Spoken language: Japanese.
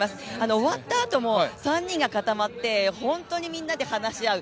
終わったあとも３人がかたまって本当にみんなで話し合う。